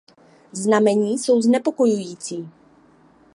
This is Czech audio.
Znamení jsou znepokojující.